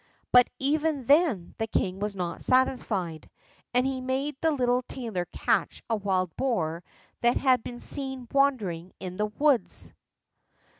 But even then the king was not satisfied, and he made the little tailor catch a wild boar that had been seen wandering in the woods.